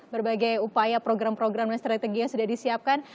berbagai upaya program program dan strategi yang sudah disiapkan